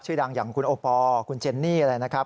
ชื่อดังอย่างคุณโอปอลคุณเจนนี่อะไรนะครับ